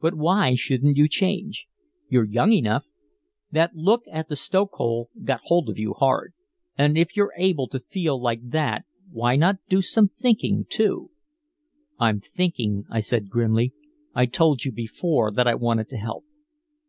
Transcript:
But why shouldn't you change? You're young enough. That look at a stokehole got hold of you hard. And if you're able to feel like that why not do some thinking, too?" "I'm thinking," I said grimly. "I told you before that I wanted to help.